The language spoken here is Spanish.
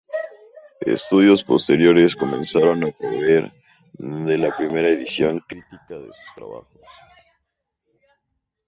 Estudios posteriores comenzaron a proveer de la primera edición crítica de sus trabajos.